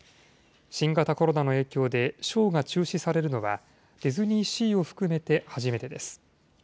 新型コロナの影響で、ショーが中止されるのは、ディズニーシーを含めて初めてです。